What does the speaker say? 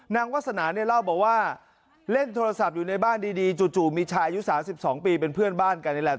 วาสนาเนี่ยเล่าบอกว่าเล่นโทรศัพท์อยู่ในบ้านดีจู่มีชายอายุ๓๒ปีเป็นเพื่อนบ้านกันนี่แหละ